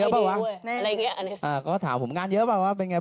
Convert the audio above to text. คนนี้ใช่ไหมจะทำให้เกิดกระแสพลวดขึ้นไหม